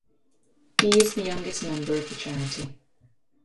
He is the youngest member of the charity.